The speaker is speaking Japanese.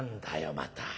また。